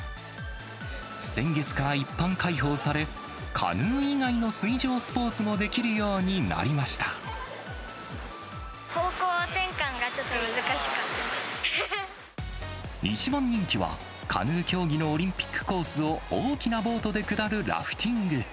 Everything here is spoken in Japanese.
先月から一般開放され、カヌー以外の水上スポーツもできるように方向転換がちょっと難しかっ一番人気は、カヌー競技のオリンピックコースを、大きなボートで下るラフティング。